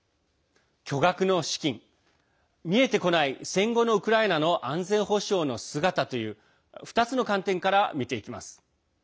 巨額の資金、見えてこない戦後のウクライナの安全保障の姿という２つの観点から見ていきます。